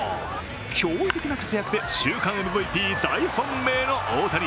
驚異的な活躍で週間ＭＶＰ大本命の大谷。